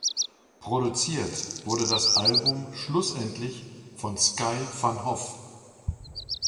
Produziert wurde das Album schlussendlich von Sky van Hoff.